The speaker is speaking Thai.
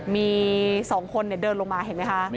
มี๒คนเดินลงมาเห็นไหมคะ